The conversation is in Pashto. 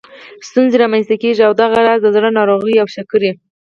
ستونزې رامنځته کېږي او دغه راز د زړه ناروغیو او شکرې